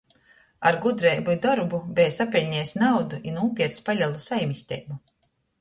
Ar gudreibu i dorbu beja sapeļnejs naudu i nūpiercs palelu saimisteibu.